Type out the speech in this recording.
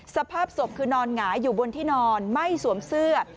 สภาพศพคือนอนหงายอยู่บนที่นอนไม่สวมเสื้อ